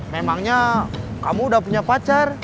memangnya kamu udah punya pacar